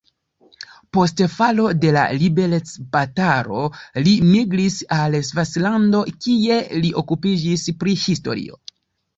Post falo de la liberecbatalo li migris al Svislando, kie li okupiĝis pri historio.